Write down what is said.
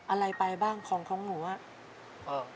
อะไรไปบ้างของของหนูอะ